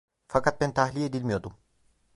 Fakat ben tahliye edilmiyordum.